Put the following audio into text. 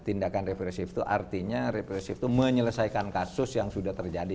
tindakan represif itu artinya represif itu menyelesaikan kasus yang sudah terjadi